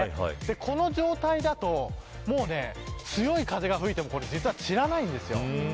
この状態だと強い風が吹いても散らないんです。